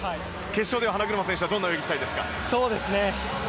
決勝では花車選手はどんな泳ぎをしたいですか？